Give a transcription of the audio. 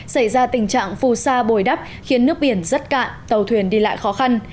xảy ra tình trạng phù sa bồi đắp khiến nước biển rất cạn tàu thuyền đi lại khó khăn